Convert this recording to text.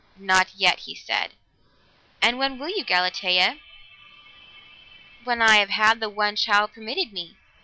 "Not yet," he said. "And when will you, Galatea?" "When I have had the one child permitted me.